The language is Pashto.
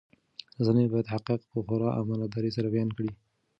رسنۍ باید حقایق په خورا امانتدارۍ سره بیان کړي.